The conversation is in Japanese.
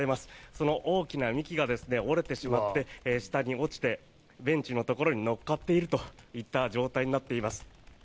その大きな幹が折れてしまって下に落ちてベンチのところに乗っかっているといった状態になっています。